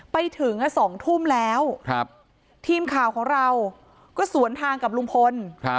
ไปถึง๒ทุ่มแล้วทีมข่าวของเราก็สวนทางกับลุงพล